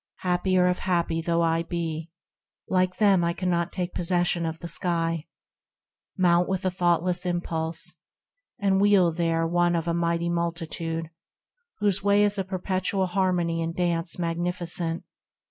Happier of happy though I be, like them I cannot take possession of the sky, Mount with a thoughtless impulse, and wheel there One of a mighty multitude, whose way Is a perpetual harmony and dance Magnificent.